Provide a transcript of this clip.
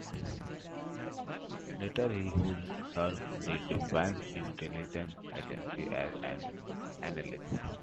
Later, he would serve the Defense Intelligence Agency as an analyst.